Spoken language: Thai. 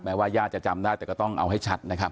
ว่าญาติจะจำได้แต่ก็ต้องเอาให้ชัดนะครับ